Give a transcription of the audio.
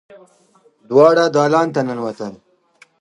دواړه دالان ته ننوتل.